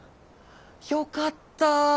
よかった。